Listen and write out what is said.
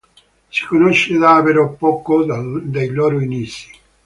Si conosce davvero poco dei loro inizi.